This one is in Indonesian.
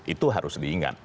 itu harus diingat